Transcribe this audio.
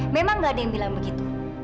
memang nggak ada yang bilang begitu